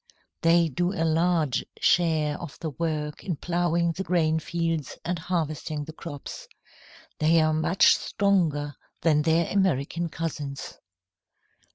They do a large share of the work in ploughing the grain fields and harvesting the crops. They are much stronger than their American cousins.